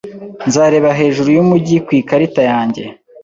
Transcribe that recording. Nzareba hejuru yumujyi ku ikarita yanjye